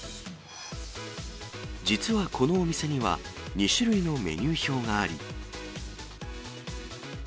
実はこのお店には、２種類のメニュー表があり。